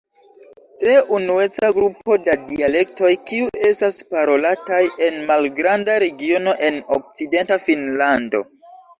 Tre unueca grupo da dialektoj, kiu estas parolataj en malgranda regiono en okcidenta Finnlando.